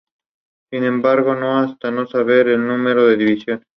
Sin embargo, no basta con saber el número de divisiones.